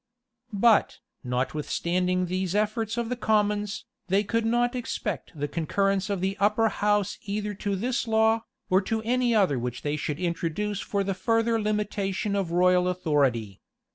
But, notwithstanding these efforts of the commons, they could not expect the concurrence of the upper house either to this law, or to any other which they should introduce for the further limitation of royal authority.